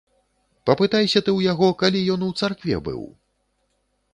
Папытайся ты ў яго, калі ён у царкве быў?